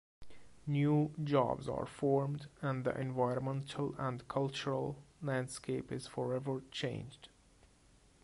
New jobs are formed and the environmental and cultural landscape is forever changed.